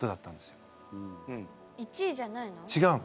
１位じゃないの？